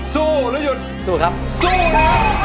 สู้หรือหยุดสู้ครับสู้ครับ